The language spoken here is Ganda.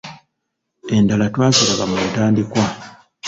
Endala twaziraba mu ntandikwa.